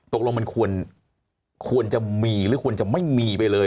ตกลงมันควรจะมีหรือควรจะไม่มีไปเลย